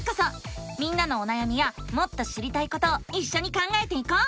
みんなのおなやみやもっと知りたいことをいっしょに考えていこう！